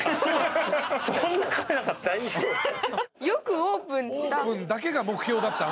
よくオープンした。